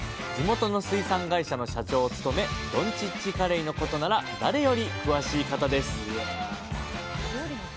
地元の水産会社の社長を務めどんちっちカレイのことなら誰より詳しい方です